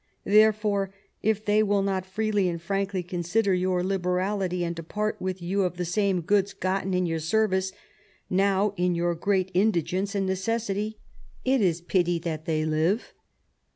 Therefore if they will not freely and frankly consider your liberality, and depart with you of the same goods gotten in your service, now in your great indigence and necessity, it is pity that they live."